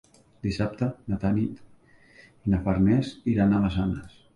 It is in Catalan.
Dissabte na Tanit i na Farners iran a Massanes.